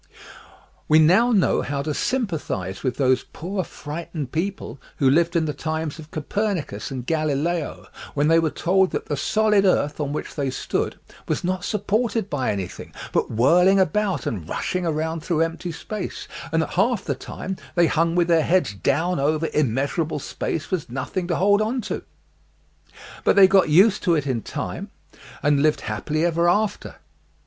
We now know how to sympathize with those poor frightened people who lived in the times of Copernicus and Galileo when they were told that the solid earth on which they stood was not supported by anything, but whirling about and rushing around through empty space and that half the time they hung with their heads down over immeasurable space with nothing to hold on TIME, SPACE, AND GRAVITATION 109 to. But they got used to it in time and lived happily ever after.